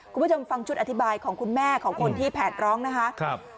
คุณผู้ชมฟังชุดอธิบายของคุณแม่ของคนที่แผดร้องนะคะ